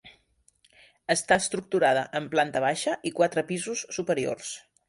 Està estructurada en planta baixa i quatre pisos superiors.